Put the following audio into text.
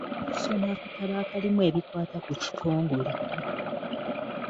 Okusoma akatabo akalimu ebikwata ku kitongole.